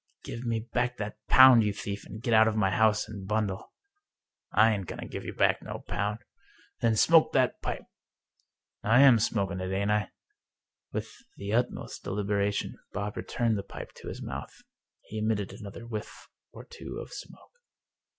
" Give me back that pound, you thief, and get out of my house, and bundle." " I ain't going to give you back no pound." ' "Then smoke that pipe!" " I am smoking it, ain't I ?" With the utmost deliberation Bob returned the pipe to his mouth. He emitted another whiff or two of smoke.